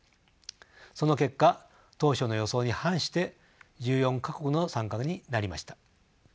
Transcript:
その結果当初の予想に反して１４か国の参加になりました。